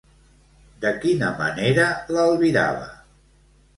De quina manera l'albirava?